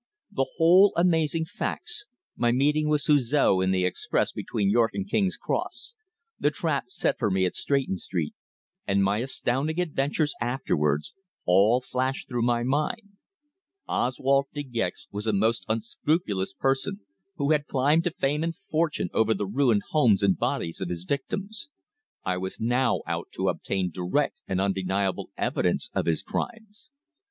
The whole amazing facts, my meeting with Suzor in the express between York and King's Cross, the trap set for me at Stretton Street, and my astounding adventures afterwards, all flashed through my mind. Oswald De Gex was a most unscrupulous person who had climbed to fame and fortune over the ruined homes and bodies of his victims. I was now out to obtain direct and undeniable evidence of his crimes.